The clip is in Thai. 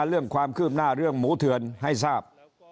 เรื่องความคืบหน้าเรื่องหมูเถือนให้ทราบ